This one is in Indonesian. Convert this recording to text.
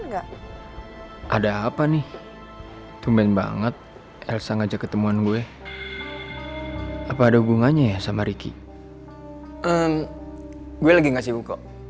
gue lagi gak sibuk kok